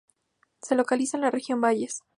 Se localiza en la Región Valles.